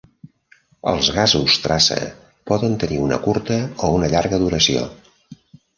Els gasos traça poden tenir una curta o una llarga duració.